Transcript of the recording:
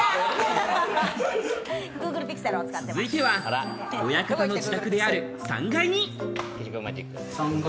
続いては、親方の自宅である３階に。